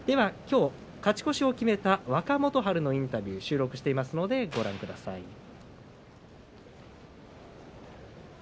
きょう勝ち越しを決めた若元春のインタビューを収録していますのでご覧ください。